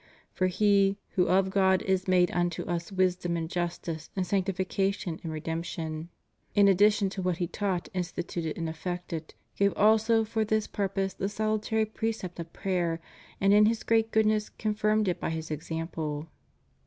For He who of God is made unto us wisdom and justice and sanctification and redemption,^ in addition to what He taught, instituted and effected, gave also for this purpose the salutary precept of prayer and in His great goodness confirmed it by His example.